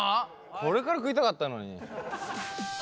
これから食いたかったのに。